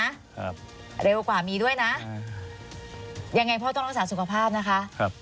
ครับเร็วกว่ามีด้วยนะอืมยังไงพ่อต้องรักษาสุขภาพนะคะครับ